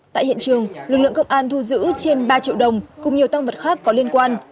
tại hiện trường lực lượng công an thu giữ trên ba triệu đồng cùng nhiều tăng vật khác có liên quan